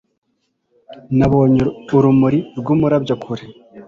Nabonye urumuri rw'umurabyo kure.